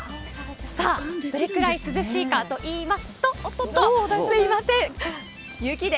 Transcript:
さあ、どれくらい涼しいかといいますと、おっとっと、すみません、雪で。